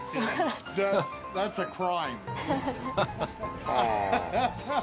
ハハハハッ！